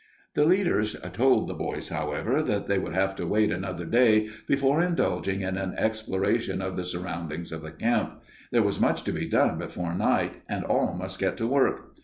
The leaders told the boys, however, that they would have to wait another day before indulging in an exploration of the surroundings of the camp. There was much to be done before night, and all must get to work.